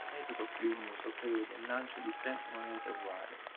Il metodo più in uso prevede il lancio di tre monete uguali.